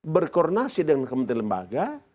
berkoronasi dengan kementerian lembaga